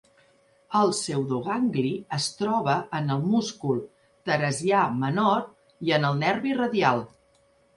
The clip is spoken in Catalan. El pseudogangli es troba en el múscul teresià menor i en el nervi radial.